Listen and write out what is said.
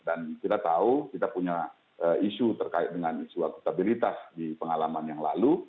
dan kita tahu kita punya isu terkait dengan isu akuntabilitas di pengalaman yang lalu